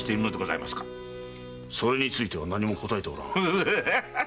それについては何も答えてはおらん。